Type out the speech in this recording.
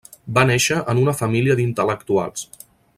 Va néixer en una família d'intel·lectuals.